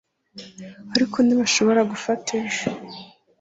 ariko ntibashobora gufata ejo